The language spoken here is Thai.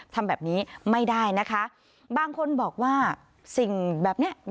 ทำแบบนี้ไม่ได้นะคะบางคนบอกว่าสิ่งแบบเนี้ย